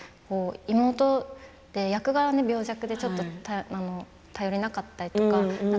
妹で、役柄は病弱でちょっと頼りなかったりとか。